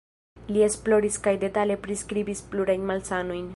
Li esploris kaj detale priskribis plurajn malsanojn.